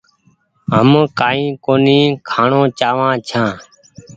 هم ڪآئي ڪونيٚ کآڻو چآوآن ڇآن۔